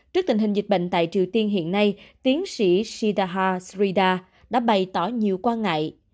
trước tình hình dịch bệnh tại triều tiên hiện nay tiến sĩ shidaha srida đã bày tỏ nhiều quan ngại